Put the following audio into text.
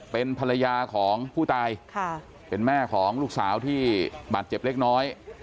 เป็นภรรยาของผู้ตายเป็นแม่ของลูกสาวที่บาดเจ็บเล็กน้อย